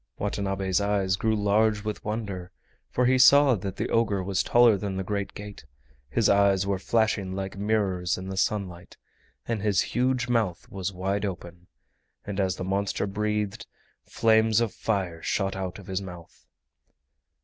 Watanabe's eyes grew large with wonder, for he saw that the ogre was taller than the great gate, his eyes were flashing like mirrors in the sunlight, and his huge mouth was wide open, and as the monster breathed, flames of fire shot out of his mouth.